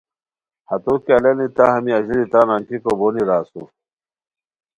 ہتو کی الانی تہ ہمی اژیلی تان گانی انگیکو بونی را اسور